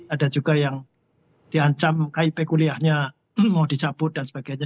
ada juga yang diancam kip kuliahnya mau dicabut dan sebagainya